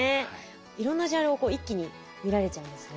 いろんなジャンルを一気に見られちゃうんですね。